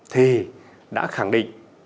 thì đã khẳng định